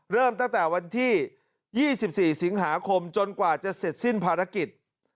เริ่มตั้งแต่วันที่๒๔สิงหาคมจนกว่าจะเสร็จสิ้นภารกิจ